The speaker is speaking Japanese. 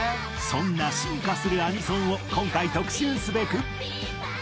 そんな進化するアニソンを今回特集すべく。